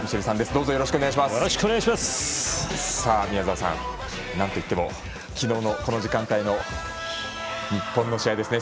宮澤さん、なんといっても昨日のこの時間帯の日本の試合ですね。